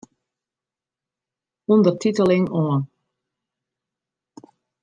Undertiteling oan.